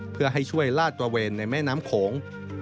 เพื่อให้ช่วยลาดตระเวนในแม่น้ำโขง